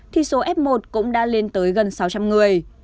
thì số f một cũng đã lên tới gần sáu trăm linh người